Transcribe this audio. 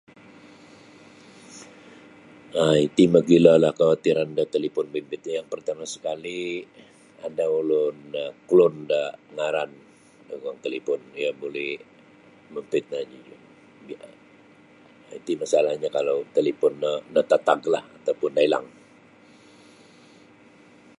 um Iti mogilolah kawatiran da talipon bimbit ti yang pertama sekali ada ulun klon da ngaran da guang talipon iyo buli memfitnah dijun um iti masalahnyo kalau talipon no natataglah atau pun nailang.